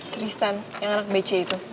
tristan yang anak bc itu